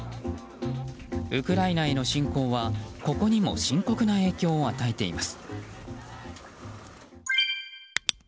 ウクライナへの侵攻は、ここにも深刻な影響を与えています。